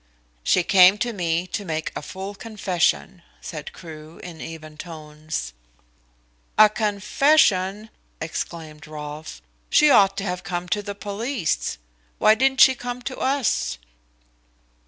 "She came to me to make a full confession," said Crewe, in even tones. "A confession!" exclaimed Rolfe. "She ought to have come to the police. Why didn't she come to us?"